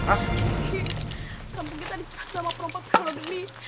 kampung kita diserah sama perompak karlo deni